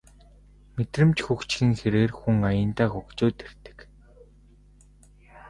Мэдрэмж хөгжихийн хэрээр хүн аяндаа хөгжөөд ирдэг